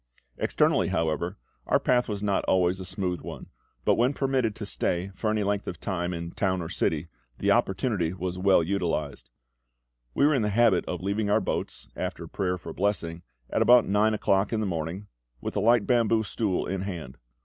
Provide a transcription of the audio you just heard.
Externally, however, our path was not always a smooth one; but when permitted to stay for any length of time in town or city, the opportunity was well utilised. We were in the habit of leaving our boats, after prayer for blessing, at about nine o'clock in the morning, with a light bamboo stool in hand.